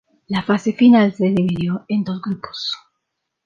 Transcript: La fase final se dividió en dos grupos.